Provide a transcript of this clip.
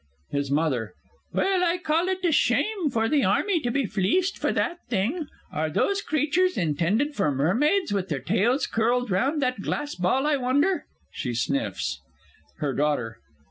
HIS MOTHER. Well, I call it a shame for the Army to be fleeced for that thing. Are those creatures intended for mermaids, with their tails curled round that glass ball, I wonder? [She sniffs. HER DAUGHTER.